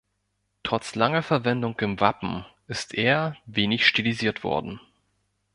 Trotz langer Verwendung im Wappen ist er wenig stilisiert worden.